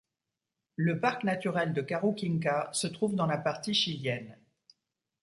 Le parc naturel de Karukinka se trouve dans la partie chilienne.